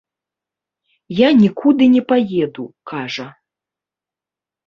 Я нікуды не паеду, кажа.